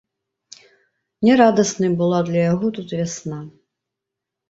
Нярадаснай была для яго тут і вясна.